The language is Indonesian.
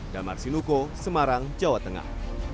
damar sinuko semarang jawa tengah